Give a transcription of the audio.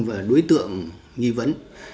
và đối tượng nghi vấn